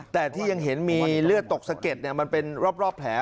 แต่ที่ยังเห็นมีเลือดตกสะเก็ดมันเป็นรอบแผล